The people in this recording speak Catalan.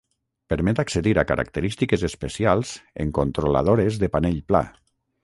Permet accedir a característiques especials en controladores de panell pla.